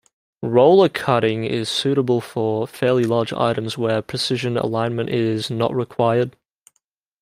Roller cutting is suitable for fairly large items, where precision alignment is not required.